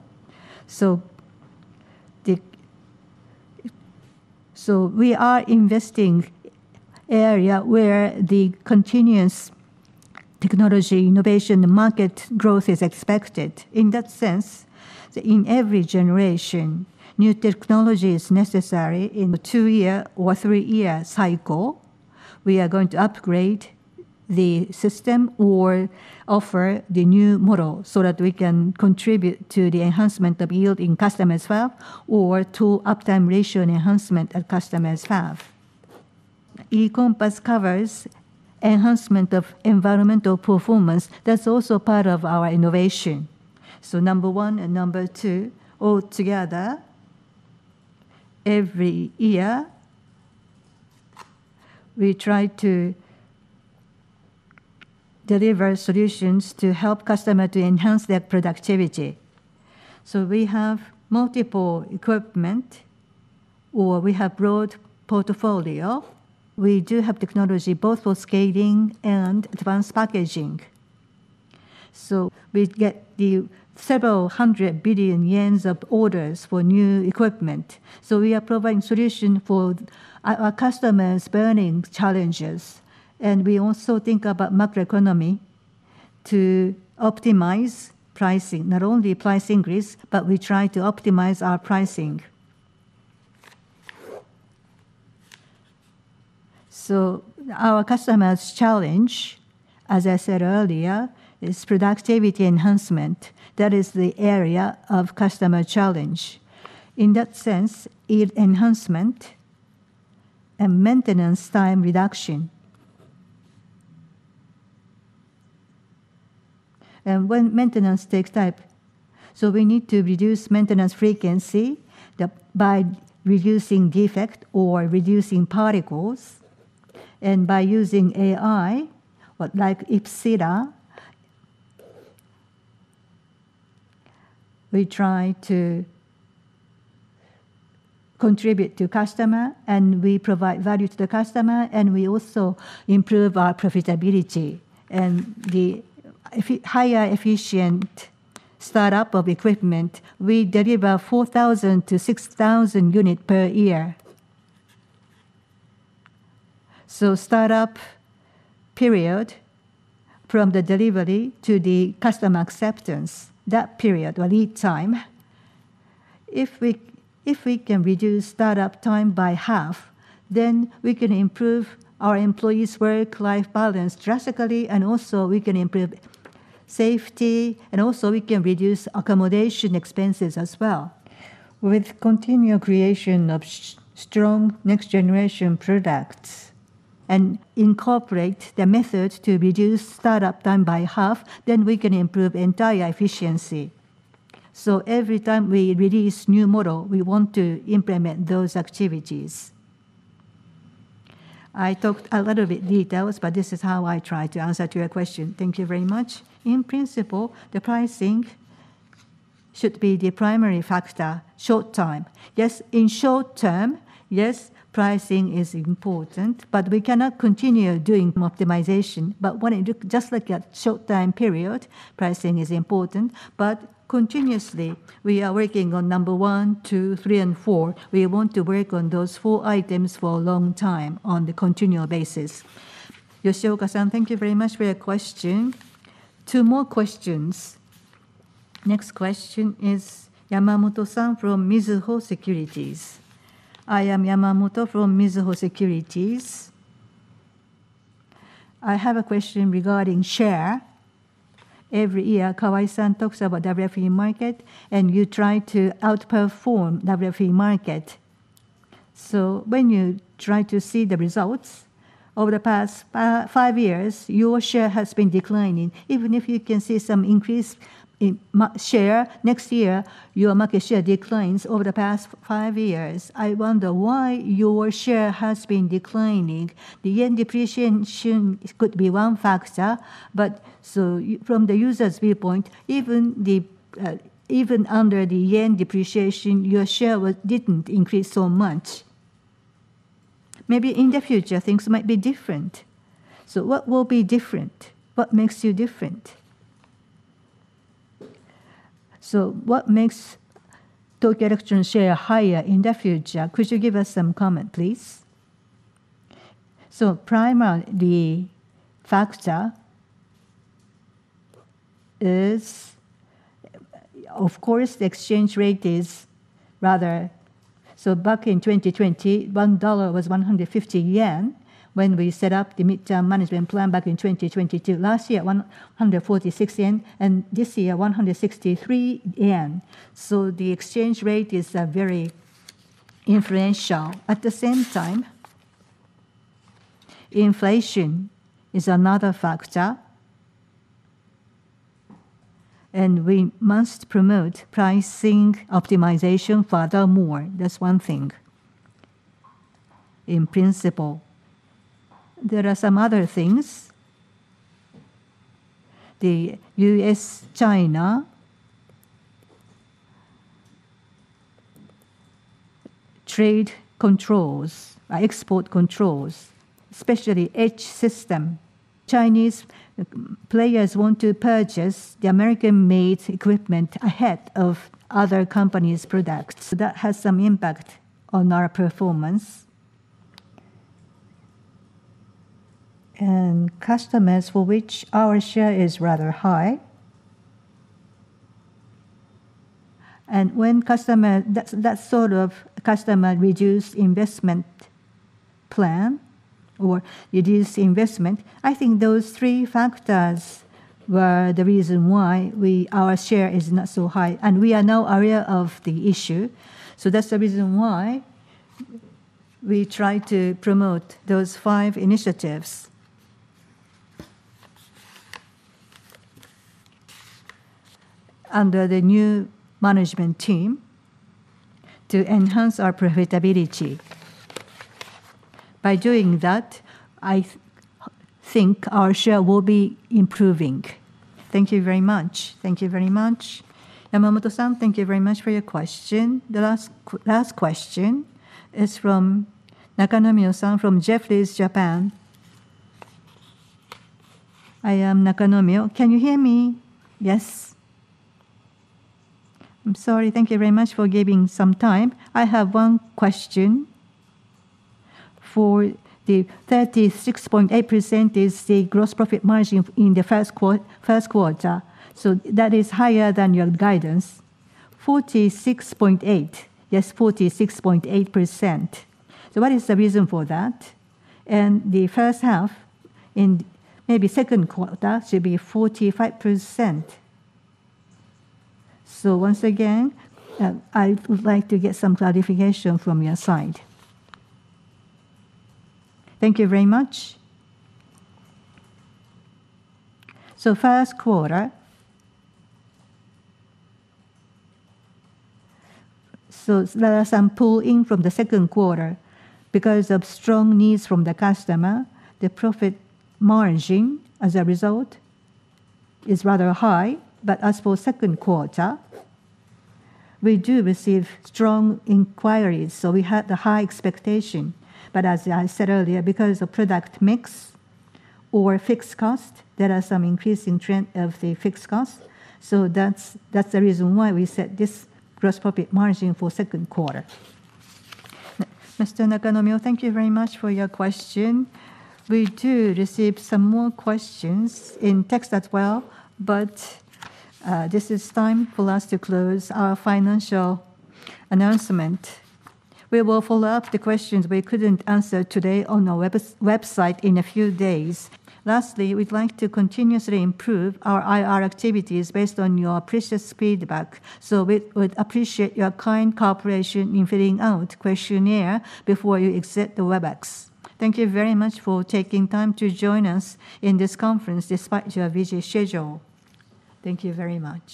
We are investing area where the continuous technology innovation market growth is expected. In that sense, in every generation, new technology is necessary. In the 2-year or 3-year cycle, we are going to upgrade the system or offer the new model so that we can contribute to the enhancement of yield in customers as well, or to uptime ratio enhancement at customers' fabs. E-COMPASS covers enhancement of environmental performance. That's also part of our innovation. Number 1 and number 2 all together, every year, we try to deliver solutions to help customer to enhance their productivity. We have multiple equipment or we have broad portfolio. We do have technology both for scaling and advanced packaging. We get the several hundred billion JPY of orders for new equipment. We are providing solution for our customers' burning challenges. And we also think about macroeconomy to optimize pricing, not only price increase, but we try to optimize our pricing. Our customers' challenge, as I said earlier, is productivity enhancement. That is the area of customer challenge. In that sense, yield enhancement and maintenance time reduction. When maintenance takes time, we need to reduce maintenance frequency by reducing defect or reducing particles. By using AI, like Epsira, we try to contribute to customer. We provide value to the customer. We also improve our profitability and the higher efficient startup of equipment. We deliver 4,000 to 6,000 unit per year. Startup period from the delivery to the customer acceptance, that period or lead time, if we can reduce startup time by half, we can improve our employees' work-life balance drastically. Also we can improve safety. Also we can reduce accommodation expenses as well. With continual creation of strong next-generation products and incorporate the method to reduce startup time by half, we can improve entire efficiency. Every time we release new model, we want to implement those activities. I talked a little bit details, but this is how I try to answer to your question. Thank you very much. In principle, the pricing should be the primary factor short time. Yes, in short term, yes, pricing is important, but we cannot continue doing optimization. Just like at short time period, pricing is important. Continuously, we are working on number one, two, three, and four. We want to work on those four items for a long time on the continual basis. Yoshioka-san, thank you very much for your question. Two more questions. Next question is Yamamoto-san from Mizuho Securities. I am Yamamoto from Mizuho Securities. I have a question regarding share. Every year, Kawai-san talks about WFE market. You try to outperform WFE market. When you try to see the results over the past five years, your share has been declining. Even if you can see some increase in share next year, your market share declines over the past five years. I wonder why your share has been declining. The yen depreciation could be one factor, but from the user's viewpoint, even under the yen depreciation, your share didn't increase so much. Maybe in the future, things might be different. What will be different? What makes you different? What makes Tokyo Electron's share higher in the future? Could you give us some comment, please? Primary factor is, of course, the exchange rate is rather. Back in 2020, $1 was 150 yen, when we set up the midterm management plan back in 2022. Last year, 146 yen, and this year, 163 yen. The exchange rate is very influential. At the same time, inflation is another factor. We must promote pricing optimization furthermore. That's one thing, in principle. There are some other things. The U.S., China trade controls, export controls, especially etch system. Chinese players want to purchase the American-made equipment ahead of other companies' products. That has some impact on our performance. Customers for which our share is rather high. That sort of customer reduced investment plan or reduced investment, I think those three factors were the reason why our share is not so high. We are now aware of the issue. That's the reason why we try to promote those five initiatives under the new management team to enhance our profitability. By doing that, I think our share will be improving. Thank you very much. Thank you very much. Yamamoto-san, thank you very much for your question. The last question is from Nakanomyo-san from Jefferies, Japan. I am Nakanomyo. Can you hear me? Yes. I am sorry. Thank you very much for giving some time. I have one question. For the 36.8% is the gross profit margin in the first quarter. That is higher than your guidance. 46.8%. Yes, 46.8%. What is the reason for that? The first half and maybe second quarter should be 45%. Once again, I would like to get some clarification from your side. Thank you very much. First quarter. There are some pull-in from the second quarter because of strong needs from the customer. The profit margin, as a result, is rather high. As for second quarter, we do receive strong inquiries, so we had high expectation. As I said earlier, because of product mix or fixed cost, there are some increasing trend of the fixed cost. That is the reason why we set this gross profit margin for second quarter. Mr. Nakanomyo, thank you very much for your question. We do receive some more questions in text as well. This is time for us to close our financial announcement. We will follow up the questions we couldn't answer today on our website in a few days. Lastly, we'd like to continuously improve our IR activities based on your precious feedback. We would appreciate your kind cooperation in filling out questionnaire before you exit the WebEx. Thank you very much for taking time to join us in this conference despite your busy schedule. Thank you very much.